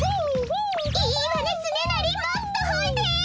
いいわねつねなりもっとほえて！